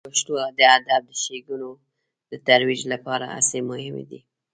د پښتو د ادب د ښیګڼو د ترویج لپاره هڅې مهمې دي.